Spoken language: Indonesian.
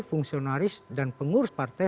fungsionaris dan pengurus partai